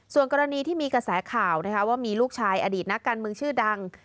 ส่วนกรณีที่มีกระแสข่าวนะคะว่ามีลูกชายอดีตนักการเมืองชื่อดัง